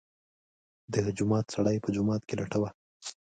د جومات سړی په جومات کې لټوه.